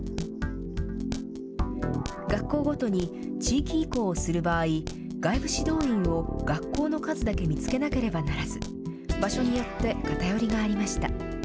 学校ごとに、地域移行をする場合、外部指導員を学校の数だけ見つけなければならず、場所によって偏りがありました。